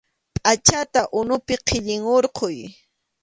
Pʼachata unupi qhillin hurquy.